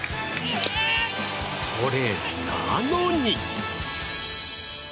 それなのに。